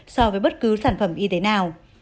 so với bất cứ sản phẩm y tế nào